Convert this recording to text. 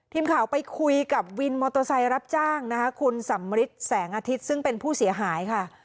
ทีมข่าวไปคุยกับวินมอเตอร์ไซค์รับจ้างนะคะคุณสำริทแสงอาทิตย์ซึ่งเป็นผู้เสียหายค่ะ